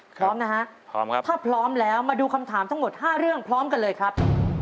พร้อมนะฮะพร้อมครับถ้าพร้อมแล้วมาดูคำถามทั้งหมด๕เรื่องพร้อมกันเลยครับ